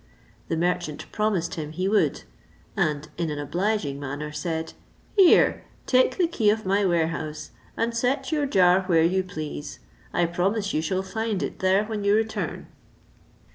The merchant promised him he would, and in an obliging manner said, "Here, take the key of my warehouse, and set your jar where you please. I promise you shall find it there when you return."